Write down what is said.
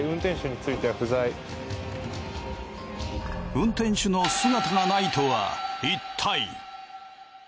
運転手の姿がないとはいったい？